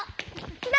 何！？